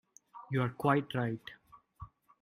You are quite right.